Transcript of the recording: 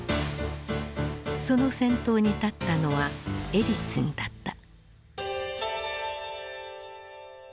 その先頭に立ったのはエリツィンだった。